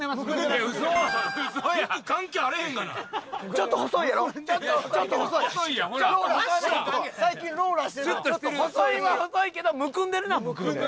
ちょっと細いは細いけどむくんでるのはむくんでる。